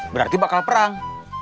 berarti bakal perang